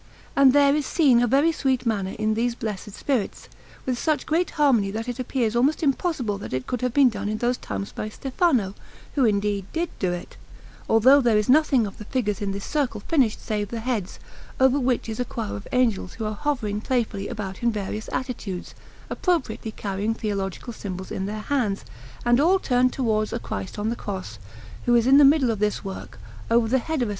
And there is seen a very sweet manner in these blessed spirits, with such great harmony that it appears almost impossible that it could have been done in those times by Stefano, who indeed did do it; although there is nothing of the figures in this circle finished save the heads, over which is a choir of angels who are hovering playfully about in various attitudes, appropriately carrying theological symbols in their hands, and all turned towards a Christ on the Cross, who is in the middle of this work, over the head of a S.